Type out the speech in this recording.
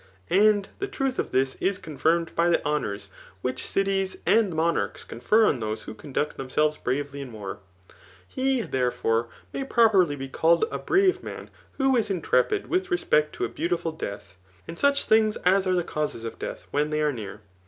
And the tmib of this is confirmed by the hfxu>uiB which cides and nm^ narchs confer on those who conduct themselves bravely in wart He^ therefore, may properly be called a fa«Mt man who is intrepid with respect to a beaudful ^atfei^ and such things as are the causes of ^eath when thef a* near.